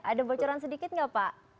ada bocoran sedikit nggak pak